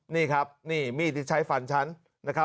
นี่ครับนี่มีดที่ใช้ฟันฉันนะครับ